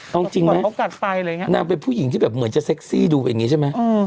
เอาจริงไหมนางเป็นผู้หญิงที่แบบเหมือนจะเซ็กซี่ดูอย่างนี้ใช่ไหม